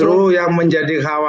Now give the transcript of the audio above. justru yang menjadi khawatir